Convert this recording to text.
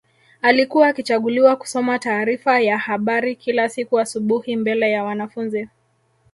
Alikuwa akichaguliwa kusoma taarifa ya habari kila siku asubuhi mbele ya wanafunzi